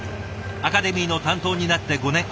アカデミーの担当になって５年。